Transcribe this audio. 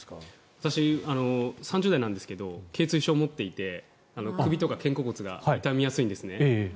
私、３０代なんですが頚椎症を持っていて首とか肩甲骨が痛みやすいんですね。